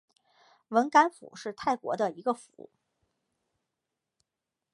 汶干府是泰国的一个府。